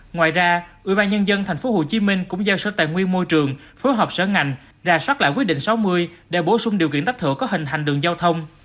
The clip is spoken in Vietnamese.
ngoài ra ủy ban nhân dân thành phố hồ chí minh cũng giao sở tài nguyên môi trường phối hợp sở ngành ra soát lại quy định sáu mươi để bổ sung điều kiện tách thửa có hình hành đường giao thông